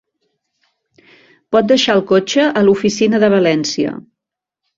Pot deixar el cotxe a l'oficina de València.